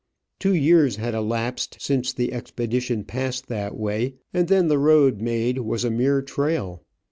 Two years had elapsed since the expedition passed that way, and then the road made was a mere trail.